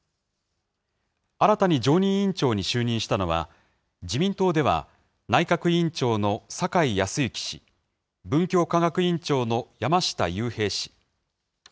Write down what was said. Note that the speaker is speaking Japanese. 新たに常任委員長に就任したのは、自民党では内閣委員長の酒井庸行氏、文教科学委員長の山下雄平氏。